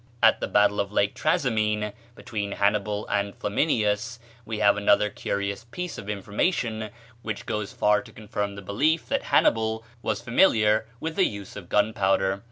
At the battle of Lake Trasymene, between Hannibal and Flaminius, we have another curious piece of information which goes far to confirm the belief that Hannibal was familiar with the use of gunpowder.